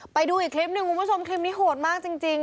ไปดูอีกคลิปหนึ่งวิวมาชมคลิปนี้โหดมากจริงจริง